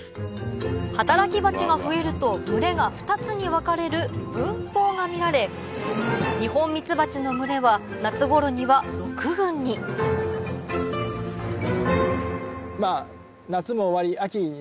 働きバチが増えると群れが２つに分かれる分蜂が見られニホンミツバチの群れは夏頃には６群にまぁ夏も終わり。